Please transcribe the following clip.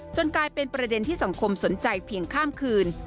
กลายเป็นประเด็นที่สังคมสนใจเพียงข้ามคืน